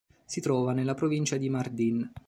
Si trova nella provincia di Mardin.